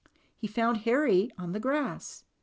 He found Harry on the grass.